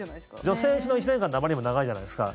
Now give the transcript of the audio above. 女性の１年間ってあまりにも長いじゃないですか。